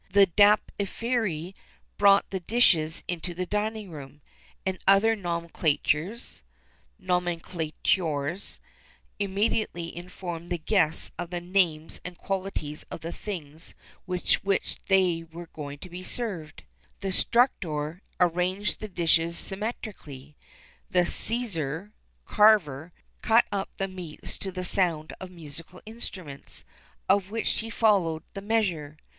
[XXXIII 17] The dapiferi brought the dishes into the dining room,[XXXIII 18] and the nomenclators (nomenculatores) immediately informed the guests of the names and qualities of the things with which they were going to be served.[XXXIII 19] The structor arranged the dishes symmetrically.[XXXIII 20] The scissor (carver) cut up the meats to the sound of musical instruments, of which he followed the measure.